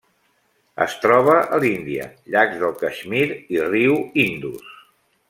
Es troba a l'Índia: llacs del Caixmir i riu Indus.